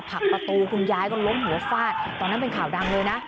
ผลักประตูคุณยายก็ล้มหัวฟาดตอนนั้นเป็นข่าวดังเลยนะ